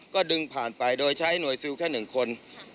ก็ดึงผ่านไปโดยใช้หน่วยซิลแค่๑คน